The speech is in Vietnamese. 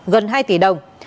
gần hai tỷ đồng